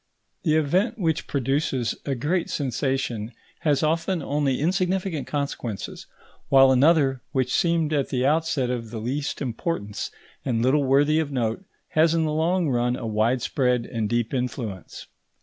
The event which produces a great sensation has often only insignificant consequences; while another, which seemed at the outset of the least importance and little worthy of note, has in the long run a widespread and deep influence.